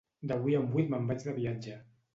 D'avui en vuit me'n vaig de viatge.